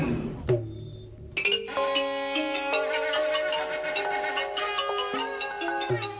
มุมเวียน